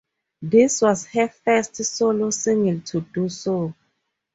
This was her first solo single to do so.